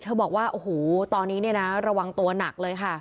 บอกว่าโอ้โหตอนนี้เนี่ยนะระวังตัวหนักเลยค่ะ